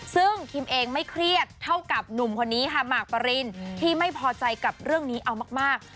ซึ่งคิมเองไม่เครียดเท่ากับหนุ่มคนนี้ค่ะหมากปรินที่ไม่พอใจกับเรื่องนี้เอามาก